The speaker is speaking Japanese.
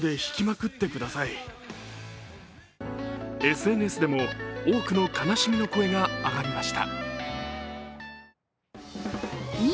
ＳＮＳでも、多くの悲しみの声が上がりました。